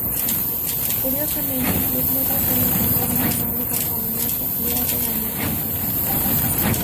Curiosamente, los nobles sólo aceptaron el mando bajo amenaza y a regañadientes.